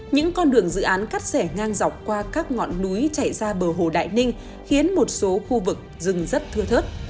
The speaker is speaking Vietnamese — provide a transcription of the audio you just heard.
những con đường dự án cắt xẻ ngang dọc qua các ngọn núi chạy ra bờ hồ đại ninh khiến một số khu vực rừng rất thưa thớt